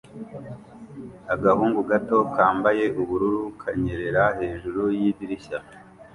Agahungu gato kambaye ubururu kanyerera hejuru yidirishya